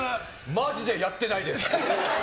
まじでやってないです。